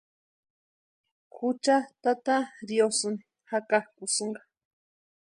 Jucha tata riosïni jakakʼusïnka.